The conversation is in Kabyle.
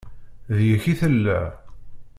Deg-k i tella.